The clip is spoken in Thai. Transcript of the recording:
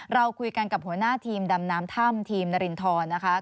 เราคุยกันกับหัวหน้าทีมดำน้ำถ้ำทีมนารินทรนะคะ